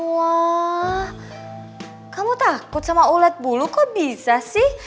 wah kamu takut sama ulat bulu kok bisa sih